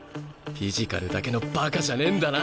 フィジカルだけのバカじゃねえんだな！